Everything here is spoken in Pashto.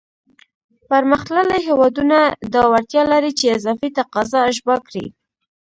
پرمختللی هېوادونه دا وړتیا لري چې اضافي تقاضا اشباع کړي.